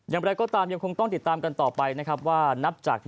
ยังไหร่ก็ตามยังคงต้องติดตามกันต่อไปว่านับจากนี้